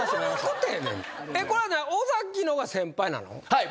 はい。